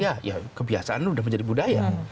ya ya kebiasaan sudah menjadi budaya